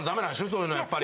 そういうのやっぱり。